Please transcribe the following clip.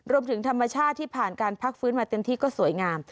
รวมถึงธรรมชาติที่ผ่านการพักฟื้นมาเต็มที่ก็สวยงาม